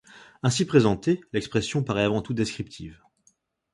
Ainsi présentée, l'expression paraît avant tout descriptive.